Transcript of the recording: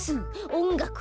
おんがく！